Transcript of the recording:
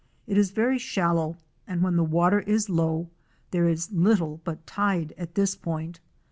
It is very shallow and when the water is low there is little but tide at this point.